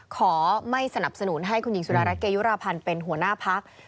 ขอไม่สนับสนุนให้คุณหญิงสุดารัฐเกยุราพันธ์เป็นหัวหน้าพัก